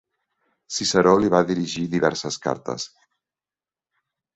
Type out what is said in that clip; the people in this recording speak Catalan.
Ciceró li va dirigir diverses cartes.